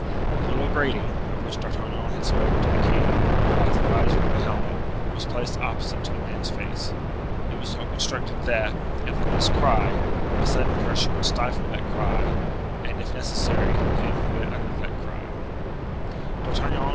The little grating, of which D'Artagnan had spoken to the king, like the visor of the helmet, was placed opposite to the man's face. It was so constructed that, at the least cry, a sudden pressure would stifle that cry, and, if necessary, him who had uttered that cry.